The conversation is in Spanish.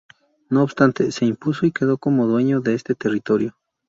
No obstante, se impuso y quedó como dueño de ese territorio.